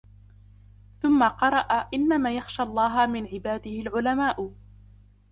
ثُمَّ قَرَأَ إنَّمَا يَخْشَى اللَّهَ مِنْ عِبَادِهِ الْعُلَمَاءُ